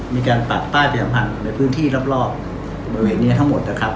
มีการปักป้ายประจำพันธ์ในพื้นที่รอบบริเวณนี้ทั้งหมดนะครับ